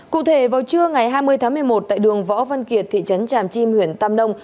cụ thể vào trưa ngày hai mươi tháng một mươi một tại đường võ văn kiệt thị trấn tràm chim huyện tam nông